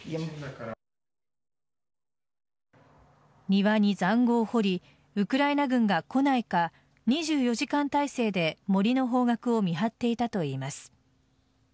庭に塹壕を掘りウクライナ軍が来ないか２４時間体制で森の方角を見張っていたといいます。